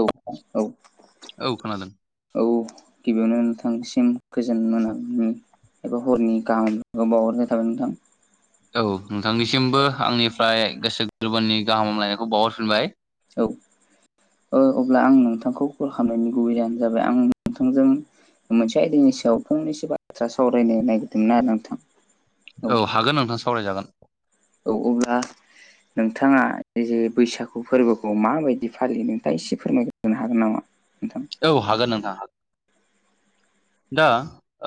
औ औ औ खोनादों औ गिबियावनो नोंथांनिसिम गोजोन मोनानि एबा हरनि गाहाम बावहरनाय थाबाय नोंथां। औ नोंथांनिसिमबो आंनिफ्राय गोसो गोरबोनि गाहाम हामलायनायखौ बावहरफिनबाय औ ओ अब्ला आं नोंथांखौ कल खालामनायनि गुबैयानो जाबाय आं नोंथांजों मोनसे आयदानि सायाव फंनैसो बाथ्रा सावरायनो नागिरदोंमोन आरो नोंथां। औ हागोन नोंथां सावरायजागोन। औ अब्ला नोंथाङा जे बैसागु फोरबोखौ माबायदि फालियो नोंथाङा एसे फोरमायहरनो हागोन नामा नोंथां औ हागोन नोंथां हागोन दा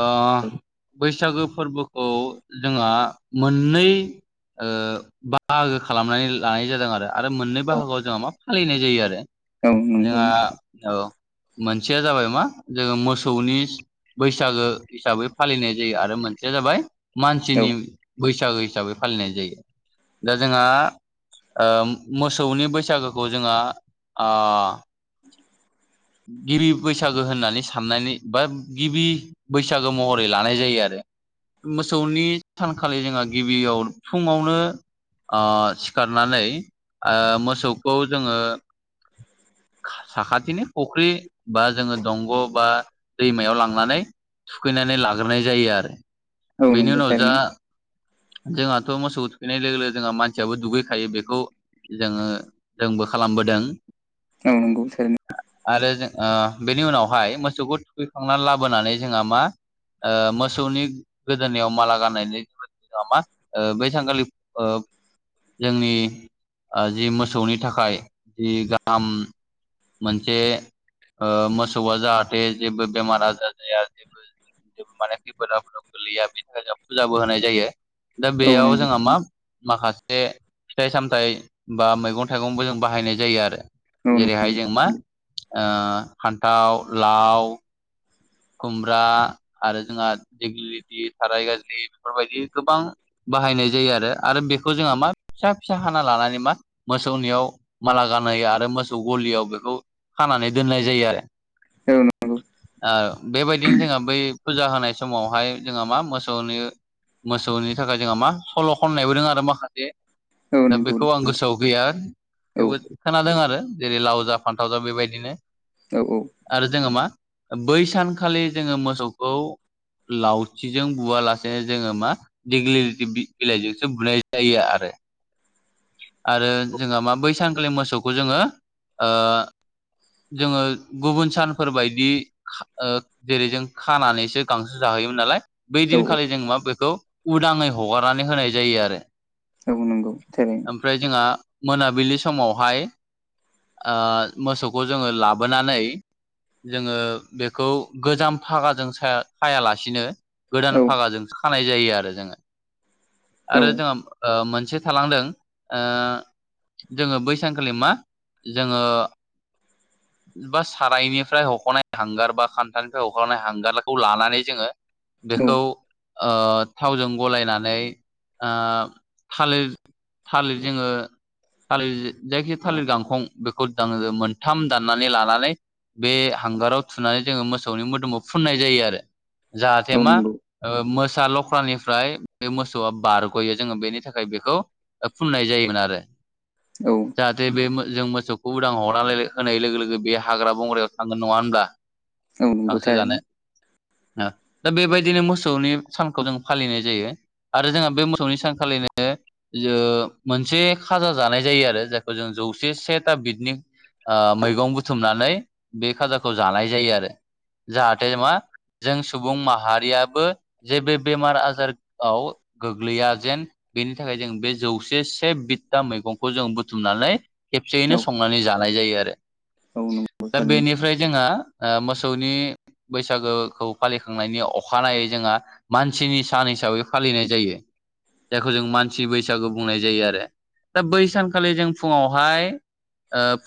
ओ बैस सागो फोरबोखौ जोंहा मोननै बाहागो खालामनानै लानाय जादों आरो आरो मोननै बाहागोआव जोंहा मा फालिनाय जायो आरो औ नंगौ जोंहा औ मोनसेया जाबाय मा जोङो मोसौनि बैसागो हिसाबै फालिनाय जायो आरो मोनसेया जाबाय औ मानसिनि बैसागो हिसाबै फालिनाय जायो दा जोंहा मोसौनि बैसागोखौ जोंहा गिबि बैसागो होननानै साननानै बा गिबि बैसागो महरै लानाय जायो आरो मोसौनि सानखालि जोंहा गिबियाव फुङावनो सिखारनानै मोसौखौ जोङो साखाथिनि फुख्रि बा जोङो दंग बा याव लांनानै थुखैनानै लाग्रोनाय जायो आरो औ बेनि नंगौ उनाव जा थारैनो जोंहाथ' मोसौखौ थुखैनाय लोगो लोगो जोंहा मानसियाबो दुगैखायो बेखौ जोङो जोंबो खालामबोदों औ नंगौ थारैनो आरो जों बेनि उनावहाय मोसौखौ थुखैखांनानै लाबोनानै जोंहा मा मोसौनि गोदोनायाव माला गाननायनि बै सान खालि जोंनि जि मोसौनि थाखाय जि गाहाम मोनसे मोसौआ जाहाथे जेबो बेमार आजार जाया बेफोर जेबो माने खैफोद आफोदाव गोलैया बेनि थाखाय जों फुजाबो होनाय जायो दा औ बेयाव नंगौ जोंहा मा माखासे फिथाइ सामथाइ बा मैगं थाइगंबो जों बाहायनाय जायो आरो औ नंगौ जेरैहाय जों मा फान्थाव लाव खुमब्रा आरो जोंहा देग थाराय गाज्रि बेफोरबायदि गोबां बाहायनाय जायो आरो आरो बेखौ जोंहा मा फिसा फिसा हाना लानानै मा मोसौनियाव माला गानहोयो आरो मोसौ गलियाव बेखौ खानानै दोननाय जायो आरो औ नंगौ औ बेबायदिनो जोंहा बै फुजा होनाय समावहाय जोंहा मा मोसौनि मोसौनि थाखाय जोंहा मा सल' खननायबोदों आरो माखासे औ दा बेखौ आं नंगौ गोसोआव गैया औ थेवबो खोनादों आरो जेरै लाव जा फान्थाव जा बेबायदिनो औ-औ आरो जोङो मा बै सानखालि जोङो मोसौखौ लावथिजों बुवालासेनो जोङो मा दिग्लि लिथि बिलाइजोंसो बुनाय जायो आरो आरो जोंहा मा बै सान खालि मोसौखौ जोङो ओ जोङो गुबुन सानफोरबायदि जेरै जों खानानैसो गांसो जाहोयोमोन नालाय बै औ दिनखालि जों मा बेखौ उदाङै हगारनानै होनाय जायो आरो औ नंगौ थारैनो ओमफ्राय जोंहा मोनाबिलि समावहाय मोसौखौ जोङो लाबोनानै जोङो बेखौ गोजाम फागाजों सायालासिनो औ गोदान फागाजोंसो खानाय जायो आरो जोङो औ आरो जोंहा मोनसे थालांदों ओ जोङो बैसानखालि मा जोङो बा सारायनिफ्राय हख'नाय हांगार बा खान्थालनिफ्राय हख'नाय हांगारखौ लानानै जोङो औ बेखौ ओ थावजों गलायनानै ओ थालिर थालिर जोङो थालिर जायखि थालिर गांखं बेखौ दाङो मोनथाम दाननानै लानानै बे हांगाराव थुनानै जोङो मोसौनि मोदोमाव फुननाय जायो आरो। जाथे मा नंगौ ओ मोसा लख्रानिफ्राय बे मोसौआ बारग'यो जोङो बेनि थाखाय बेखौ फुननाय जायोमोन आरो। औ जाहाथे बे जों मोसौखौ उदां हर होनाय लोगो लोगो बे हाग्रा बंग्रायाव थांगोन नङा होनब्ला औ नंगौ गांसो जानो थारैनो दा बेबायदिनो मोसौनि सानखौ जों फालिनाय जायो। आरो जोंहा बे मोसौनि सानखालिनो लो मोनसे खाजा जानाय जायो आरो जायखौ जों जौसे सेथा बिदनि आ मैगं बुथुमनानै बे खाजाखौ जानाय जायो आरो जाहाथे मा जों सुबुं माहारियाबो जेबो बेमार आजाराव फोराव गोग्लैया जेन बेनि थाखाय जों बे जौसे से बिथता मैगंखौ जों बुथुमनानै औ खेबसेयैनो संनानै जानाय जायो आरो औ नंगौ दा थारैनो बेनिफ्राय जोंहा मोसौनि बैसागोखौ फालिखांनायनि अखानायै जोंहा मानसिनि सान हिसाबै फालिनाय जायो जायखौ जों मानसि बैसागु बुंनाय जायो आरो दा बै सानखालि जों फुङावहाय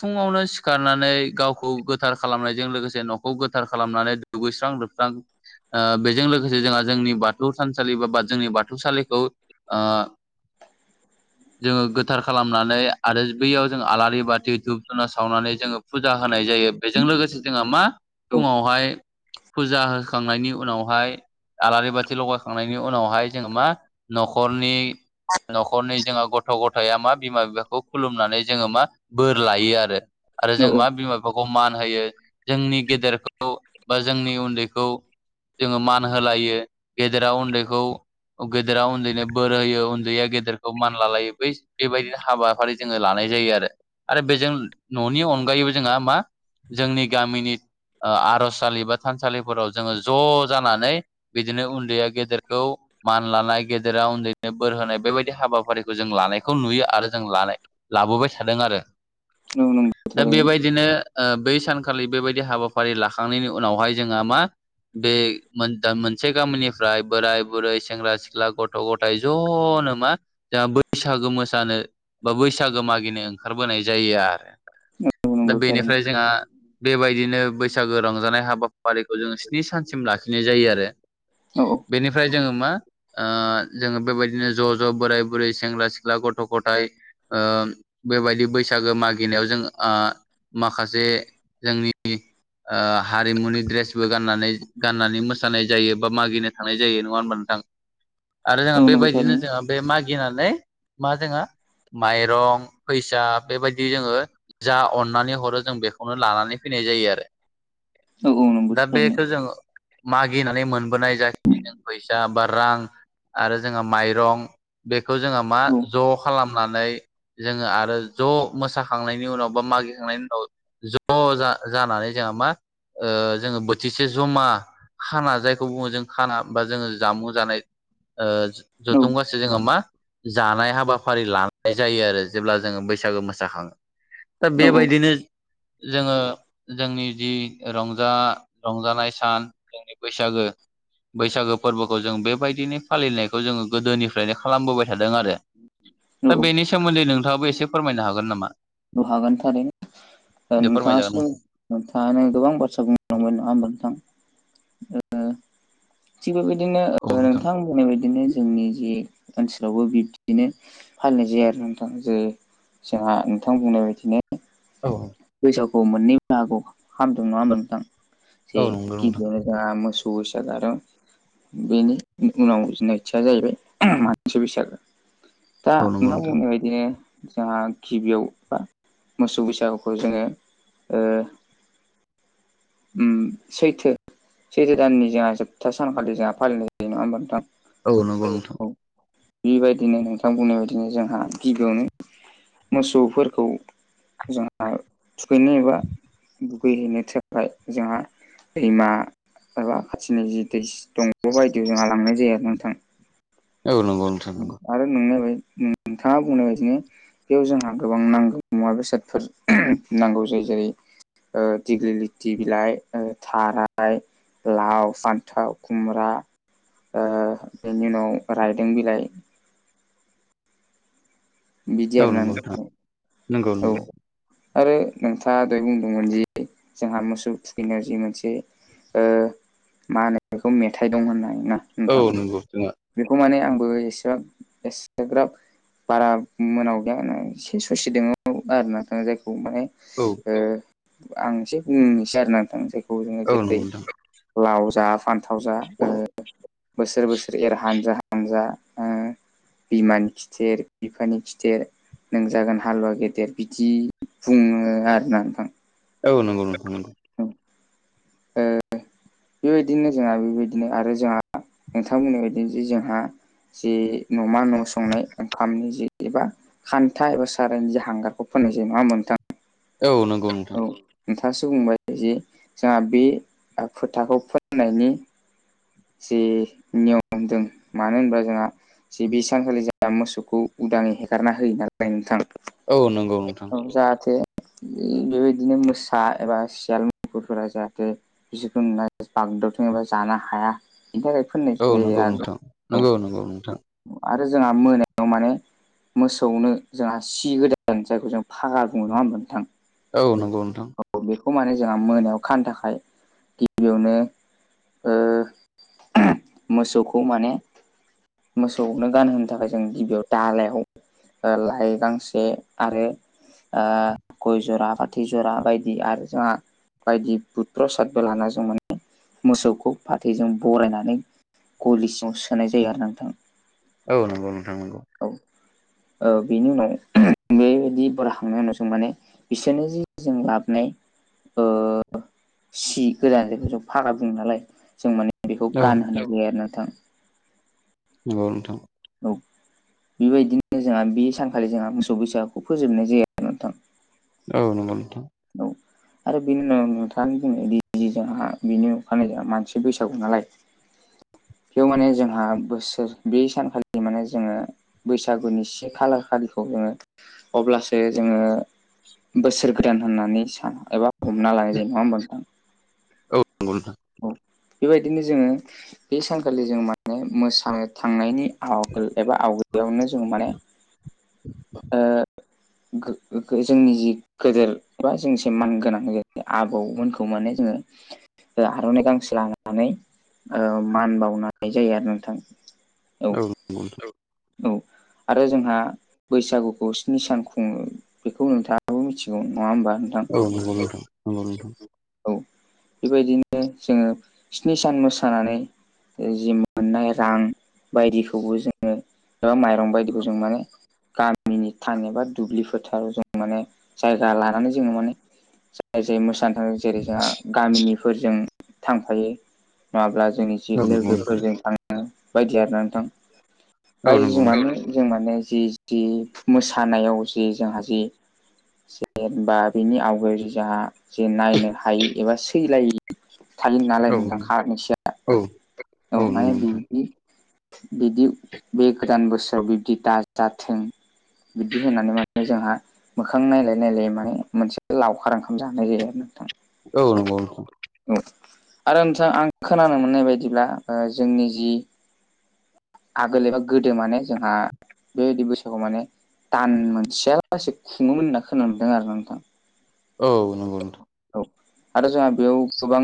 फुङावनो सिखारनानै गावखौ गोथार खालामनायजों लोगोसे न'खौ गोथार खालामनानै दुगैस्रां लोबस्रां ओ बेजों लोगोसे जोंहा जोंनि बाथौ थानसालि बा बा जोंनि बाथौसालिखौ आ जोङो गोथार खालामनानै आरो बैयाव जों आलारि बाथि धुब धुना सावनानै जोङो फुजा होनाय जायो बेजों लोगोसे जोंहा मा औ फुङावहाय फुजा होखांनायनि उनावहाय आलारि बाथि लगायखांनायनि उनावहाय जोङो मा न'खरनि न'खरनि जोंहा गथ' गथाया मा बिमा बिफाखौ खुलुमनानै जोङो मा बोर लायो। यो आरो औ जों मा बिमा फोरखौ मान होयो जोंनि गेदेरखौ बा जोंनि उन्दैखौ जोङो मान होलायो गेदेरा उन्दैखौ गेदेरा उन्दैनो बोर होयो उन्दैया गेदेरखौ मानलालायो बै बेबायदि हाबाफारि जोङो लानाय जायो आरो आरो बेजों न'नि अनगायैबो जोंहा मा जोंनि गामिनि आ आर'जसालि बा थानसालिफोराव जोङो ज' जानानै बिदिनो उन्दैया गेदेरखौ मान लानाय गेदेरा उन्दैनो बोर होनाय बेबायदि हाबाफारिखौ जों लानायखौ नुयो आरो जों लानाय लाबोबाय थादों आरो औ नंगौ। दा थारैनो बेबायदिनो बै सानखालि बेबायदि हाबाफारि लाखांनायनि उनावहाय जोंहा मा बे मोनसे गामिनिफ्राय बोराय बुरै सेंग्रा सिख्ला गथ' ग थाय ज'नो मा जोंहा बैसागो मोसानो बा बैसागो मागिनो ओंखारबोनाय जा जायो आरो औ दा नंगौ थारैनो औ नंगौ थारैनो औ नंगौ थारैनो औ बेनिफ्राय जोंहा बेबायदिनो बैसागो रंजानाय हाबाफारिखौ जों स्नि सानसिम लाखिनाय जायो आरो। औ बेनिफ्राय जोङो मा ओ जोङो बेबायदिनो ज' ज' बोराय बुरै सेंग्रा सिख्ला गथ' गथाय ओ बेबायदि बैसाग गो मागिनायाव जों आ माखासे जोंनि ओ हारिमुनि द्रेसबो गाननानै गाननानै मोसानाय जायो बा मागिनो थांनाय जायो नङा होनबा नोंथां आरो जोंहा बेबायदिनो जोंहा बे मागिनानै मा जोङो माइरं फैसाब बेबायदि जोङो जा अननानै हरो जों बेखौनो लानानै फैनाय जायो आरो दा बेखौ जों मागिनानै मोनबोनाय [unintelligible] जों फैसा बा रां आरो जोंहा माइरं बेखौ जोङो मा ज' खालामनानै जोङो आरो ज' मोसाखांनायनि उनाव बा मागिखांनायनि उनाव ज' जानानै जोंहा मा ओ जोङो बोथिसे जमा खाना जायखौ बुङो जों खाना बा जोङो जामुं जानाय ओ जथुम गासे जोङो मा जानाय हाबाफारि लानाय जायो आरो जेब्ला जोङो बै सागो मोसाखाङो दा बेबायदिनो जोङो जोंनि जि रंजा रंजानाय सान जोंनि बैसागो बैसागो फोरबोखौ जों बेबायदिनो फालिनायखौ जोङो गोदोनिफ्रायनो खालामबोबाय थादों आरो दा बेनि सोमोन्दै नोंथाङाबो एसे फोरमायनो हागोन नामा? हागोन थारैनो दे नोंथाङा फोरमायजागोन नोंथां सम नोंथाङानो गोबां बाथ्रा बुंलांबाय नङा होमबा नोंथां थिग बेबायदिनो नोंथां बुंनाय बदिनो जोंनि जि ओनसोलावबो बिब्दिनो फालिनाय जायो आरो नोंथां जे जोंहा नोंथां बुंनाय बायदिनो औ बैसागु खौ मोननै बाहागोआव खामदों नङा होमबा नोंथां औ जि नंगौ नोंथां गिबियावनो जोहा मोसौ बैसागो आरो बेनि उनाव नैथिया जाहैबाय मानसि बैसागो दा औ नंगौ नोंथां बुंनाय बायदिनो जोंहा गिबियाव बा मोसौ बैसागु खौ जोङो सैथो सैथो दाननि जोंहा जोबथा सानखालि जोंहा फालिनाय जायो नङा होमबा नोंथां औ औ बेबायदिनो नोंथां बुंनाय बायदिनो जोंहा गिबियावनो मोसौफोरखौ जोंहा थुखैनो एबा दुगैहैनो थाखाय ओमफ्राय जोंहा दैमा एबा खाथिनि जि दै दंग बायदियाव जोंहा लांनाय जायो आरोना नोंथां औ नंगौ नोंथां नंगौ आरो नोंनाय बाय नोंथाङा बुंनाय बायदिनो बेयाव जोंहा गोबां नांगौ मुवा बेसादफोर नांगौ जायो जेरै दिगिलिथि बिलाइ थाराय लाव फान्थाव खुमब्रा बेनि उनाव रायदों बिलाइ बिदि औ आरो नंगौ नोंथां नंगौ औ औ आरो नोंथाङा दय बुंदोंमोन जि जोंहा मोसौ थुखैनायाव जि मोनसे मा होनो बेखौ मेथाइ दं होननानैना औ नंगौ जोंहा बेखौ माने आंबो एसेबां एसेग्राब बारा मोनाव गैया होनना एसे ससे दङ आरो ना जायखौ माने औ आं एसे बुंनोसै आरो नोंथां जायखौ जोङो औ नंगौ जेरै नोंथां लाव जा फान थाव जा बोसोर बोसोर एर हानजा हानजा बिमानि खिथेर बिफानि खिथेर नों जागोन हालुवा गेदेर बिदि बुङो आरोना नोंथां औ नंगौ नोंथां नंगौ ओ बेबायदिनो जोंहा बेबायदिनो आरो जोंहा नोंथां बुंनाय बायदिनो जे जोंहा जि न'मा न' संनाय ओंखामनि जि एबा खान्था एबा सारायनि जा हांगारखौ फोननाय जायो नङा होमबा नोंथां औ नंगौ औ नोंथां नोंथाङासो बुंबाय जे जोंहा बे फोथाखौ फोननायनि जि नियम दं मानो होनोबा जोंहा जे बि सानखालि जोंहा मोसौखौ उदाङै हेगारना होयो नालाय नोंथां औ नंगौ नोंथां औ जाहाथे बेबायदिनो मोसा एबा सियाल मुफुरफोरा जाहाथे बिसोरखौ नुना बागदावथों एबा जानो हाया बेनि थाखाय फोननाय औ जायो नंगौ आरो नोंथां औ नंगौ नंगौ नोंथां आरो जोंहा मोनायाव माने मोसौनो जोंहा सि गोदान जायखौ जों फागा बुङो नङा होमबा नोंथां औ नंगौ नोंथां औ बेखौ माने जोंहा मोनायाव खानो थाखाय गिबियावनो ओ मोसौखौ माने मोसौनो गानहोनो थाखाय जों गिबियाव दालायाव लाइ गांसे आरो गय जरा फाथै जरा बायदि आरो जोंहा बायदि बुट प्रसादबो लाना जों माने मोसौखौ फाथैजों बरायनानै गलि सिङाव सोनाय जायो आरोना नोंथां औ नंगौ नोंथां नंगौ औ औ बेनि उनाव बेबायदि बराय खांनाय उनाव जों माने बिसोरनि जि जों लाबोनाय सि गोदान जायखौ जों फागा बुङो नालाय जों माने बेखौ औ गानहोनाय जायो आरोना नोंथां नंगौ नोंथां औ बेबायदिनो जोंहा बे सानखालि जोंहा मोसौ बैसागुखौ फोजोबनाय जायो आरो नोंथां औ नंगौ नोंथां औ आरो बिनि उनाव नोंथाङानो बुंनाय बायदि जोंहा बिनि अखानायै जोंहा मानसि बैसागु नालाय बेयाव माने जोंहा बोसोर बे सानखालि माने जोङो बैसागुनि से खालार खालिखौनो अब्लासो जोङो बोसोर गोदान होननानै सान एबा हमना लानाय जायो नङा होनबा नोंथां औ नंगौ नोंथां बेबायदिनो जोङो बे सानखालि जों माने मोसानो थांनायनि आवगोल एबा आवगोल जों माने गो जोंनि जि गोदोर बा जोंसे मान गोनां जायो आबौमोनखौ माने जोङो आर'नाइ गांसे लानानै मान बावनाय जायो आरो नोंथां औ औ आरो जोंहा बैसागुखौ स्नि सान खुङो बेखौ नोंथाङाबो मिथिगौ नङा होमबा नोंथां औ नंगौ नोंथां नंगौ नोंथां औ बेबायदिनो जोङो स्नि सान मोसानानै जि मोननाय रां बायदिखौबो जोङो एबा माइरं बायदिखौ जों माने गामिनि थान एबा दुब्लि फोथाराव जों माने जायगा लानानै जोङो माने जाय जाय मोसानो थाङो जेरै जोंहा गामिनिफोरजों थांफायो नङाब्ला जोंनि जि नंगौ नोंथां लोगोफोरजों थां बायदि आरोना औ नोंथां नंगौ जों मानो जों माने जि जि मोसानायाव जि जोंहा जि जेनेबा बेनि आवगाय जोंहा जे नायनो हायि एबा सैलायि थायो नालाय नोंथां खानोसिया औ औ माने बिदि बिदि बे गोदान बोसोराव बिब्दि दाजाथों बिदि होनानै माने जोंहा मोखां नायलाय नायलाय माने मोनसे लावखार ओंखाम जानाय जायो आरो नोंथां औ नंगौ नोंथां औ आरो नोंथां आं खोनानो मोननाय बायदिब्ला जोंनि जि आगोल एबा गोदो माने जोंहा बेबायदि बैसागुवाव माने दान मोनसेयालासे खुङोमोन होनना खोनदों आरो नोंथां औ नंगौ नोंथां औ आरो जोंहा बेयाव गोबां